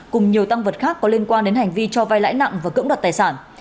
cùng nhiều tăng vật khác có liên quan đến hành vi cho vai lãi nặng và cưỡng đoạt tài sản